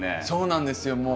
そうなんですよ。